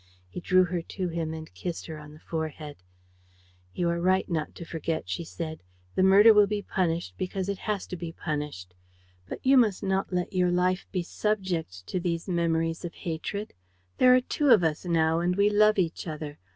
He drew her to him and kissed her on the forehead. "You are right not to forget," she said. "The murder will be punished because it has to be punished. But you must not let your life be subject to these memories of hatred. There are two of us now and we love each other.